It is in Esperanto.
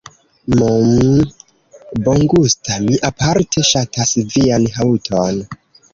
Mmm, bongusta, mi aparte ŝatas vian haŭton.